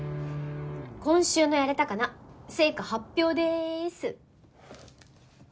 今週の「やれたかな」成果発表です。